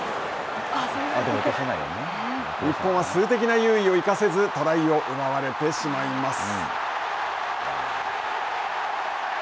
日本は数的な有利を生かせずトライを奪われてしまいます。